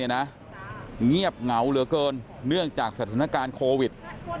เงียบเหงาเหลือเกินเนื่องจากสถานการณ์โควิด